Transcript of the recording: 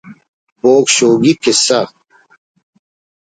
بوگ شوگی کسہ